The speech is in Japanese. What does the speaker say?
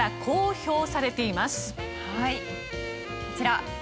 こちら。